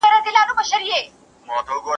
د ملي وضعیت رښتینی راپور باید ولس ته وړاندې شي.